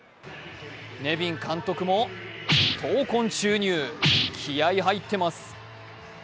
ネビン監督も闘魂注入気合い入っています。